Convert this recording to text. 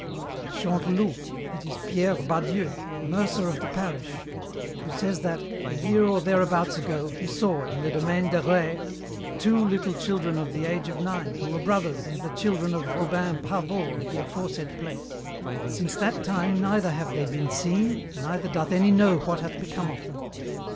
"At Chantelou, it is Pierre Badieu, mercer of the parish, who says that a year or thereabouts ago, he saw, in the domain de Rais, 'two little children of the age of nine who were brothers and the children of Robin Pavot of the aforesaid place, and since that time neither have they been seen neither doth any know what hath become of them.'